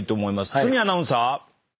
堤アナウンサー。